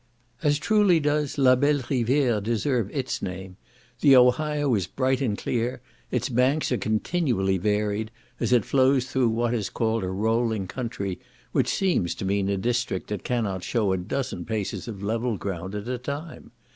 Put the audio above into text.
As truly does "La Belle Rivière" deserve its name; the Ohio is bright and clear; its banks are continually varied, as it flows through what is called a rolling country, which seems to mean a district that cannot .shew a dozen paces of level ground at a time.